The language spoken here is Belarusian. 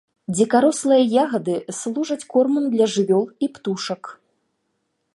Дзікарослыя ягады служаць кормам для жывёл і птушак.